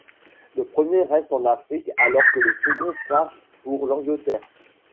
Le premier reste en Afrique alors que le second part pour l'Angleterre.